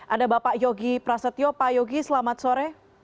ada bapak yogi prasetyo pak yogi selamat sore